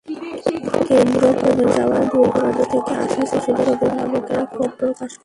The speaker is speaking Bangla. কেন্দ্র কমে যাওয়ায় দূর-দুরান্ত থেকে আসা শিশুদের অভিভাবকেরা ক্ষোভ প্রকাশ করেছেন।